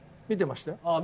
見てましたか。